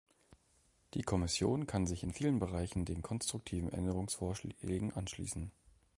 Die Kommission kann sich in vielen Bereichen den konstruktiven Änderungsvorschlägen anschließen.